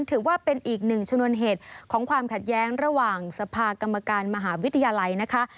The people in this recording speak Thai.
ถือว่าเป็นอีกหนึ่งชนวนเหตุของความขัดแย้งระหว่างสภากรรมการมหาวิทยาลัยนะคะ